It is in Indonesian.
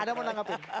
ada yang mau tanggapi